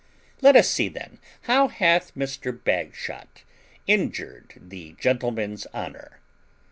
Let us see then; how hath Mr. Bagshot injured the gentleman's honour?